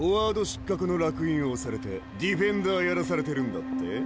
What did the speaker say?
失格のらく印を押されてディフェンダーやらされてるんだって？